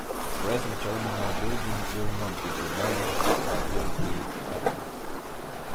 The present terminal building will not be demolished but will be expanded.